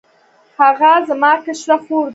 هغه زما کشره خور ده